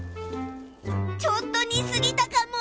ちょっと似すぎたかも。